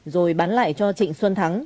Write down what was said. rồi bán lại cho trịnh xuân thắng